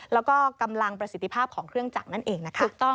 แล้วก็กำลังประสิทธิภาพของเครื่องจักรนั่นเองนะคะ